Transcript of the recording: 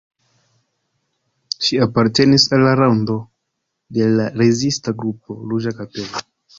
Ŝi apartenis al la rondo de la rezista grupo "Ruĝa Kapelo".